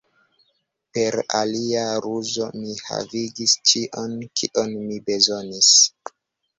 Per alia ruzo, mi havigis ĉion, kion mi bezonis.